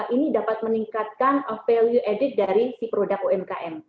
ini dapat meningkatkan value added dari si produk umkm